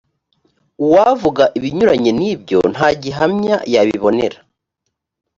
uwavuga ibinyuranye n ibyo nta gihamya yabibonera